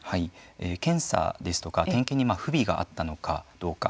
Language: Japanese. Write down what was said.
検査ですとか点検に不備があったのかどうか。